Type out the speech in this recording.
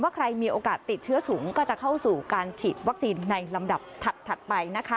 ใครมีโอกาสติดเชื้อสูงก็จะเข้าสู่การฉีดวัคซีนในลำดับถัดไปนะคะ